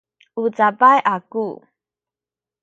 u cabay aku